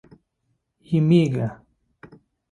یمېږه.